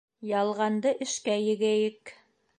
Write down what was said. Ялғанды эшкә егәйек.